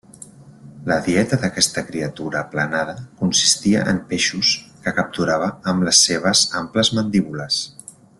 La dieta d'aquesta criatura aplanada consistia en peixos que capturava amb les seves amples mandíbules.